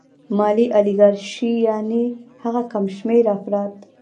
مالي الیګارشي یانې هغه کم شمېر افراد